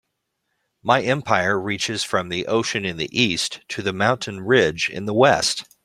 My empire reaches from the ocean in the East to the mountain ridge in the West.